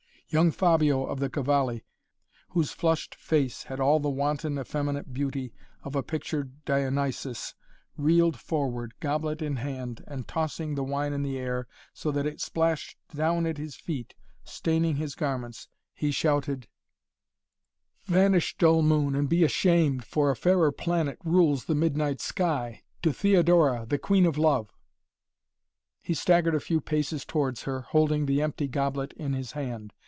Young Fabio of the Cavalli whose flushed face had all the wanton, effeminate beauty of a pictured Dionysos, reeled forward, goblet in hand and, tossing the wine in the air, so that it splashed down at his feet, staining his garments, he shouted: "Vanish dull moon and be ashamed, for a fairer planet rules the midnight sky! To Theodora the Queen of Love!" [Illustration: "Pelting the dancing girls for idle diversion"] He staggered a few paces towards her, holding the empty goblet in his hand.